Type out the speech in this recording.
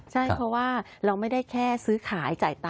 ใช่เพราะว่าเราไม่ได้แค่ซื้อขายจ่ายตั